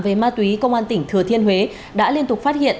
về ma túy công an tỉnh thừa thiên huế đã liên tục phát hiện